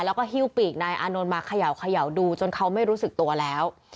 แล้วก็ฮิ้วปีกนายอานนท์มาเขย่าดูจนเขาไม่รู้สึกตัวแล้ว